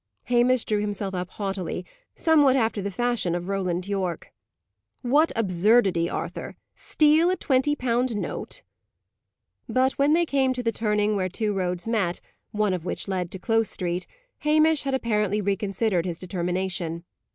Hamish drew himself up haughtily, somewhat after the fashion of Roland Yorke. "What absurdity, Arthur! steal a twenty pound note!" But when they came to the turning where two roads met, one of which led to Close Street, Hamish had apparently reconsidered his determination.